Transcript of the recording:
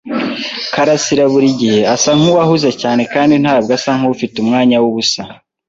karasira buri gihe asa nkuwahuze cyane kandi ntabwo asa nkufite umwanya wubusa.